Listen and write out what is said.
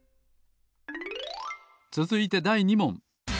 つづいてだい２もん。